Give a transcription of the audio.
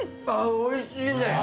ああおいしいね！